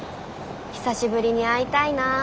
久しぶりに会いたいな。